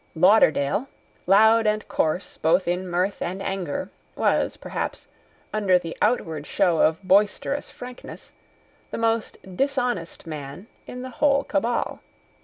Lauderdale, loud and coarse both in mirth and anger, was, perhaps, under the outward show of boisterous frankness, the most dishonest man in the whole Cabal.